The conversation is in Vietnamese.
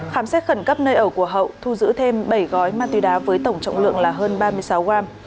khám xét khẩn cấp nơi ở của hậu thu giữ thêm bảy gói ma túy đá với tổng trọng lượng là hơn ba mươi sáu gram